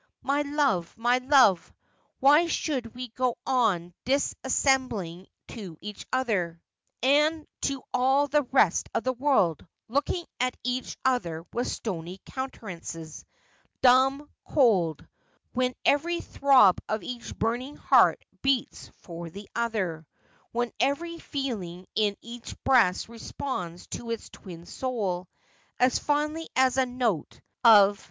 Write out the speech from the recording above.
My love, my love, why should we go on dissembling to each other, and to all the rest of the world, looking at each other with stony countenances — dumb — cold, when every throb of each burning heart beats for the other, when every feeling in each breast responds to its twin soul, as finely as a note of '/ wolde Live in Pees, if that I might.''